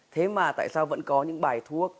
thế mà tại sao vẫn có những bài thuốc